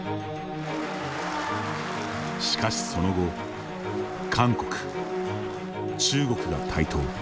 しかしその後韓国中国が台頭。